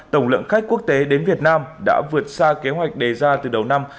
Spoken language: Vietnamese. tổng lượng khách quốc tế đến việt nam đã vượt xa kế hoạch đề ra từ đầu năm